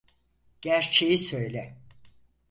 Gerçeği söyle.